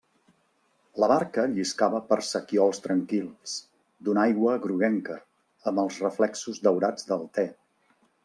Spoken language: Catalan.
La barca lliscava per sequiols tranquils, d'una aigua groguenca, amb els reflexos daurats del te.